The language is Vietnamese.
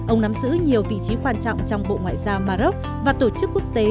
ông nắm giữ nhiều vị trí quan trọng trong bộ ngoại giao maroc và tổ chức quốc tế